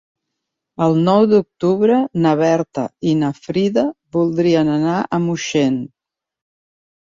El nou d'octubre na Berta i na Frida voldrien anar a Moixent.